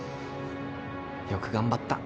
よく頑張った。